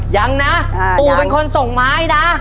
ยังนะปู่เป็นคนส่งไม้นะ